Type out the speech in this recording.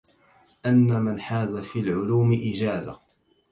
أن من حاز في العلوم إجازه